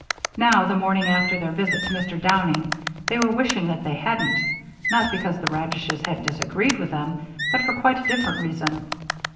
Now, the morning after their visit to Mr. Downing, they were wishing that they hadn't; not because the radishes had disagreed with them, but for quite a different reason.